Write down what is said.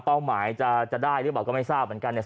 หมายจะได้หรือเปล่าก็ไม่ทราบเหมือนกันเนี่ย